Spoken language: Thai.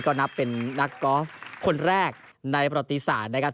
ก็นับเป็นนักกอล์ฟคนแรกในประติศาสตร์นะครับ